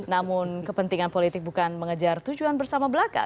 namun kepentingan politik bukan mengejar tujuan bersama belaka